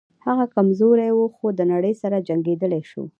هغه کمزوری و خو د نړۍ سره جنګېدلی شو